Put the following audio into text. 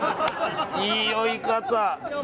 いい酔い方。